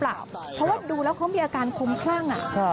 เพราะว่าดูแล้วเขามีอาการคุ้มคลั่ง